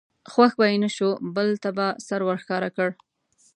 خوښ به یې نه شو بل ته به سر ور ښکاره کړ.